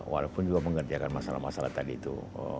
walaupun juga mengerjakan masalah masalah tadi itu